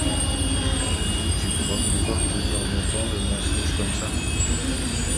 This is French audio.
Dis, tu crois pouvoir tenir longtemps le mensonge comme ça ?